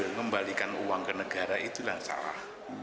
mengembalikan uang ke negara itu yang salah